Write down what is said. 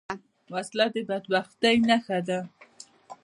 وسله د بدبختۍ نښه ده